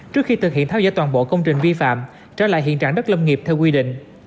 trước khi thực hiện tháo dỡ toàn bộ công trình vi phạm trở lại hiện trạng đất lâm nghiệp theo quy định